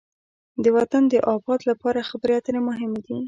د وطن د آباد لپاره خبرې اترې مهمې دي.